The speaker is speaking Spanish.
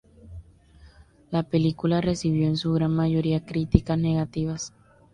La película recibió en su gran mayoría críticas negativas.